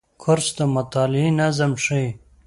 کورس د مطالعې نظم ښيي.